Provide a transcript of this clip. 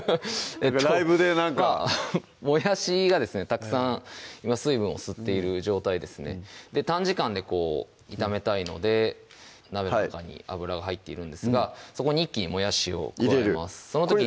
ライブでなんかまぁもやしがですねたくさん今水分を吸っている状態ですね短時間で炒めたいので鍋の中に油が入っているんですがそこに一気にもやしを加えます入れる